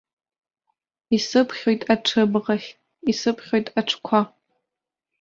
Исыԥхьоит аҽыбӷахь, исыԥхьоит аҽқәа.